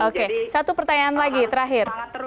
oke satu pertanyaan lagi terakhir